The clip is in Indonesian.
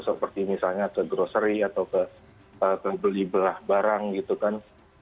seperti misalnya ke grocery atau ke beli belah barang gitu kan